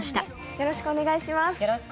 よろしくお願いします。